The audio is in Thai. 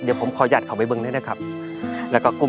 เดี๋ยวผมขออนุญาตของไอ้เบิ้งด้วยนะครับ